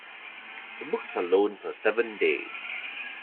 The books are loaned per seven days.